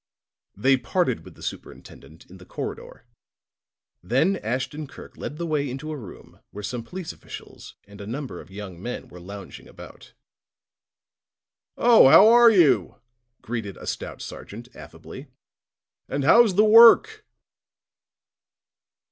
They parted with the superintendent in the corridor; then Ashton Kirk led the way into a room where some police officials and a number of young men were lounging about. "Oh, how are you?" greeted a stout sergeant, affably. "And how's the work?"